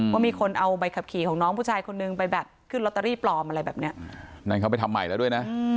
ว่ามีคนเอาใบขับขี่ของน้องผู้ชายคนนึงกลับสะด้ำตาลีปลอมอะไรแบบเนี่ย